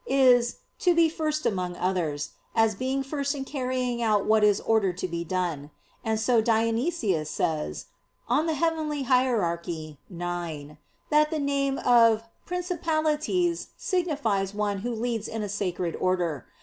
is "to be first among others," as being first in carrying out what is ordered to be done. And so Dionysius says (Coel. Hier. ix) that the name of "Principalities" signifies "one who leads in a sacred order."